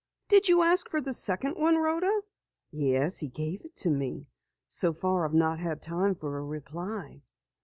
"Did you ask for the second one, Rhoda?" "Yes, he gave it to me. So far I've not had time for a reply."